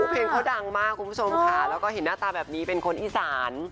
เพลงเขาดังมากคุณผู้ชมค่ะแล้วก็เห็นหน้าตาแบบนี้เป็นคนอีสาน